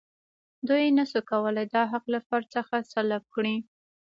دوی نشي کولای دا حق له فرد څخه سلب کړي.